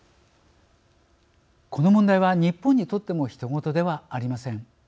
この問題は、日本にとってもひと事ではありません。